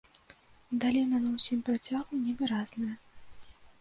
Даліна на ўсім працягу невыразная.